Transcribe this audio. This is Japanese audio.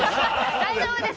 大丈夫です！